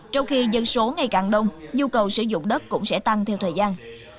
trong khi dân số ngày càng đông nhu cầu sử dụng đất cũng sẽ tăng theo thời gian